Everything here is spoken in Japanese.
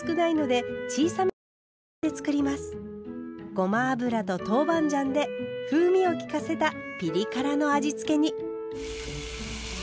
ごま油と豆板醤で風味をきかせたピリ辛の味付けに。